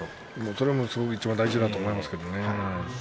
それもいちばん大事だと思いますけれどもね。